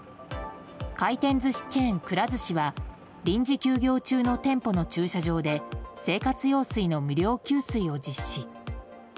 回転寿司チェーンくら寿司は臨時休業中の店舗の駐車場で生活用水の無料給水を実施。